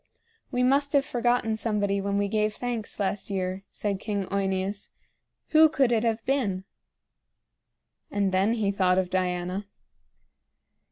"We must have forgotten somebody when we gave thanks last year," said King OEneus. "Who could it have been?" And then he thought of Diana.